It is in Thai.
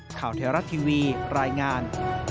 ข่าวเทราะท์ทีวีรายงาน